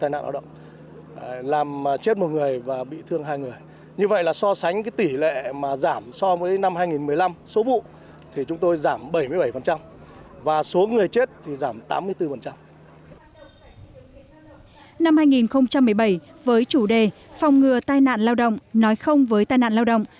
năm hai nghìn một mươi bảy với chủ đề phòng ngừa tai nạn lao động nói không với tai nạn lao động